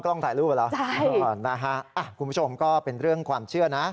กล้องถ่ายรูปเหรอคุณผู้ชมก็เป็นเรื่องความเชื่อนะ